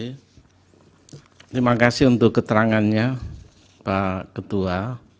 terima kasih untuk keterangannya pak ketua